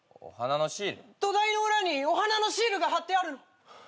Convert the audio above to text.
土台の裏にお花のシールが貼ってあるの。